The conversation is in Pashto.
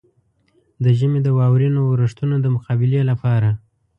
د ژمي د واورينو اورښتونو د مقابلې لپاره.